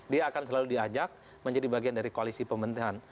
dia akan selalu diajak menjadi bagian dari koalisi pemerintahan